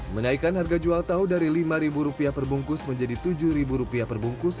menaikan harga jual tahu dari lima rupiah per bungkus menjadi tujuh rupiah per bungkus